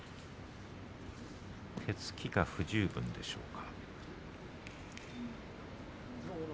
手つきが不十分だったでしょうか。